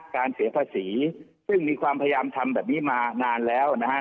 เสียภาษีซึ่งมีความพยายามทำแบบนี้มานานแล้วนะฮะ